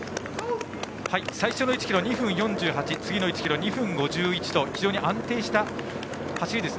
最初の１ｋｍは２分４８次の１ｋｍが２分５１と非常に安定した走りです。